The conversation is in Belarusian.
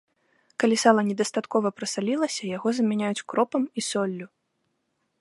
Калі сала недастаткова прасалілася, яго замяняюць кропам і соллю.